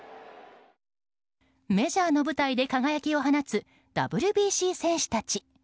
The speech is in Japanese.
メジャーの舞台で輝きを放つＷＢＣ戦士たち。